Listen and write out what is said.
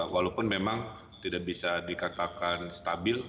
walaupun memang tidak bisa dikatakan stabil